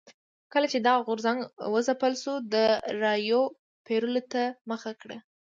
کله چې دغه غورځنګ وځپل شو د رایو پېرلو ته مخه کړه.